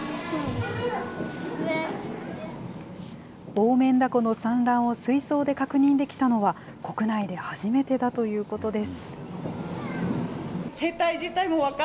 オオメンダコの産卵を水槽で確認できたのは、国内で初めてだということです。